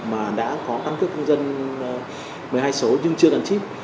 mà đã có ăn cướp công dân một mươi hai số nhưng chưa đàn chip